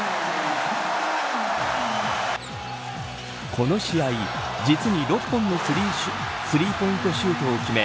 この試合実に６本のスリーポイントシュートを決め